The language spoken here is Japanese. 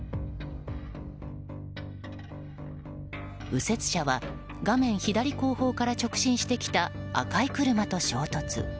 右折車は画面左後方から直進してきた赤い車と衝突。